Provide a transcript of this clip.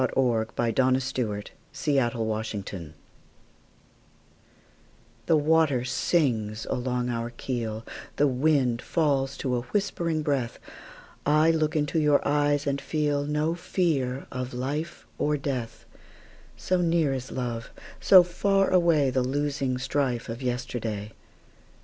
1900. By SophieJewett 1502 Armistice THE WATER sings along our keel, The wind falls to a whispering breath;I look into your eyes and feelNo fear of life or death; So near is love, so far awayThe losing strife of yesterday.